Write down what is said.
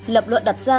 lập luận đặt ra